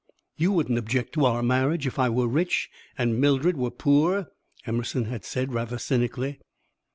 "You wouldn't object to our marriage if I were rich and Mildred were poor," Emerson had said, rather cynically.